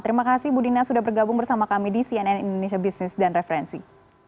terima kasih bu dina sudah bergabung bersama kami di cnn indonesia business dan referensi